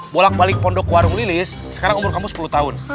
bolak balik pondok warung lilis sekarang umur kamu sepuluh tahun